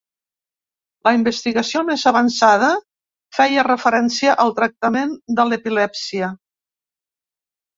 La investigació més avançada feia referència al tractament de l’epilèpsia.